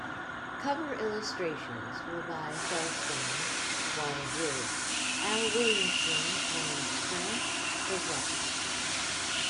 Cover illustrations were by Feldstein, Wally Wood, Al Williamson and Frank Frazetta.